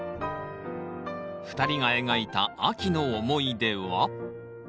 ２人が描いた秋の思い出は？